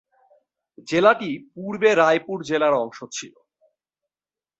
জেলাটি পূর্বে রায়পুর জেলার অংশ ছিল।